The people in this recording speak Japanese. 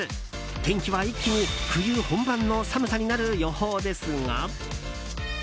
天気は一気に冬本番の寒さになる予報ですが。